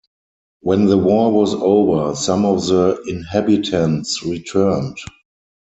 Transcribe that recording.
When the war was over, some of the inhabitants returned.